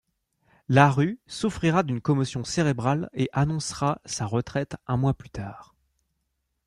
LaRue souffrira d'une commotion cérébrale et annoncera sa retraite un mois plus tard.